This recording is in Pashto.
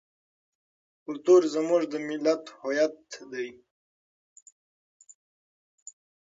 کلتور زموږ د ملت هویت دی.